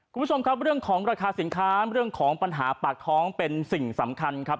คุณผู้ชมครับเรื่องของราคาสินค้าเรื่องของปัญหาปากท้องเป็นสิ่งสำคัญครับ